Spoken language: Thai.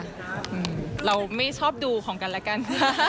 เซฟค่ะเราไม่ชอบดูของกันและกัน